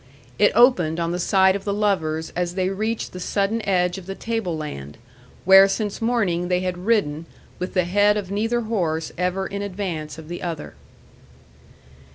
It opened on the sight of the lovers as they reached the sudden edge of the tableland, where since morning they had ridden with the head of neither horse ever in advance of the other.